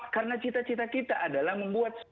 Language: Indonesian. karena cita cita kita adalah membuat